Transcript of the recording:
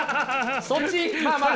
そっちまあまあ。